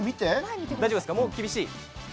もう厳しい？